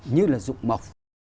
như là dụng mộc